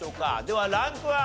ではランクは？